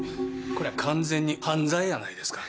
こりゃ完全に犯罪やないですか。